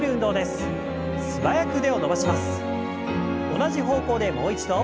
同じ方向でもう一度。